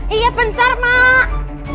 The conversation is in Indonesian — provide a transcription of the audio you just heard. iya bentar mak